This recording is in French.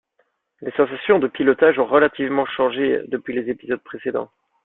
Les sensations de pilotage ont relativement changées depuis les épisodes précédents.